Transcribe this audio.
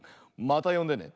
またよんでね。